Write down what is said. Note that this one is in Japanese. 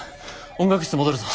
音楽室戻るぞ。